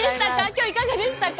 今日いかがでしたか？